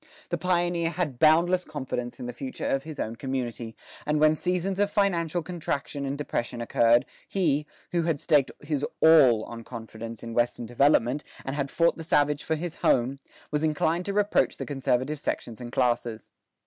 The pioneer had boundless confidence in the future of his own community, and when seasons of financial contraction and depression occurred, he, who had staked his all on confidence in Western development, and had fought the savage for his home, was inclined to reproach the conservative sections and classes.